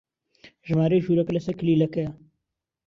ژمارەی ژوورەکە لەسەر کلیلەکەیە.